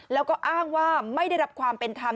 แล้วก็อ้างว่าไม่ได้รับความเป็นธรรม